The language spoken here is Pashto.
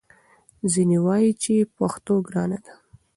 ځینې وايي چې پښتو ګرانه ده